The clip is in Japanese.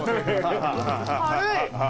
軽い。